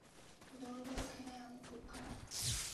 দলগত খেলায় আমি খুব খারাপ।